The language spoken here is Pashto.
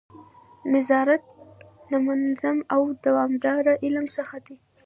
نظارت له منظم او دوامداره علم څخه دی.